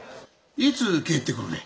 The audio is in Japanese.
いつ帰ってくるね？